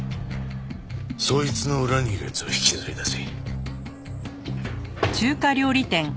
そいつの裏にいる奴を引きずり出せ。